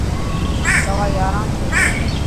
سوا ياران ٿي گيا.